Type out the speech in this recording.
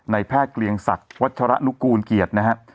ในแพทย์เกลียงศักดิ์วัชระนุกูลเกียจนะฮะ